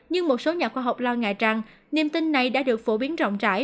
nhưng một số nhà khoa học lo ngại rằng niềm tin này đã được phổ biến rộng rãi